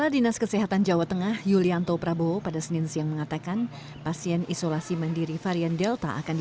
dari hasil semting diketahui delapan puluh persen pasien terjangkit varian delta